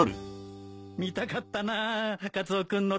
見たかったなカツオ君の丹前姿。